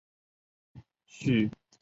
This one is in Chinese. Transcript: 叙伊兹河畔维利耶尔。